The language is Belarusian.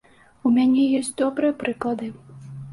У мяне ёсць добрыя прыклады.